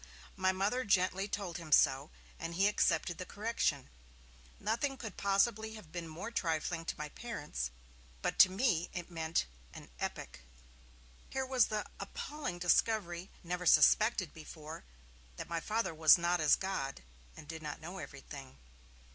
My Mother gently told him so, and he accepted the correction. Nothing could possibly have been more trifling to my parents, but to me it meant an epoch. Here was the appalling discovery, never suspected before, that my Father was not as God, and did not know everything.